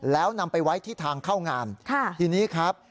แล้วนำไปไว้ที่ทางเข้างานทีนี้ครับ